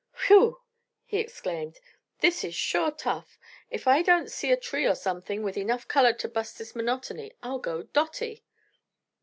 "Whew!" he exclaimed, "this is sure tough. If I don't see a tree or something with enough color to bust this monotony I'll go dotty."